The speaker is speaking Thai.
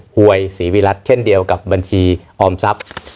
หวยศรีวิรัติเช่นเดียวกับบัญชีออมทรัพย์